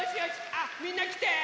あっみんなきて！